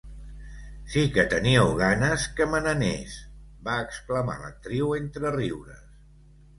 “Sí que teníeu ganes que me n’anés”, va exclamar l’actriu entre riures.